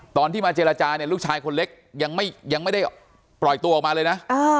ตอนที่มาเจรจาเนี่ยลูกชายคนเล็กยังไม่ได้ปล่อยตัวออกมาเลยนะ